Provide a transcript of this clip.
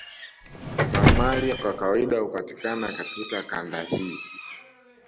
Mamalia kwa kawaida hupatikana katika kanda hii